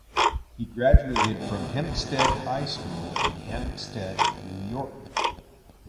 He graduated from Hempstead High School in Hempstead, New York.